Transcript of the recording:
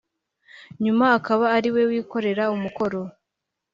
nyuma akaba ari we wikorera umukoro